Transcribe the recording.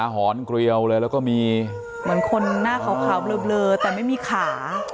หอนเกลียวเลยแล้วก็มีเหมือนคนหน้าขาวเบลอแต่ไม่มีขา